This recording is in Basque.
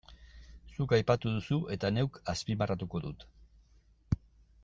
Zeuk aipatu duzu eta neuk azpimarratuko dut.